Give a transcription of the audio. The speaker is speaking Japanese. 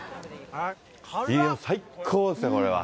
最高ですよ、これは。